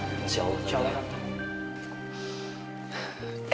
insya allah insya allah